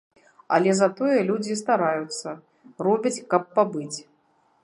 Але затое людзі стараюцца, робяць, каб пабыць.